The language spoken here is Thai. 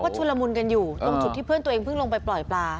โอเคโอเคว่าชุนละมุนกันอยู่ตรงจุดที่เพื่อนตัวเองลงไปปล่อยปลา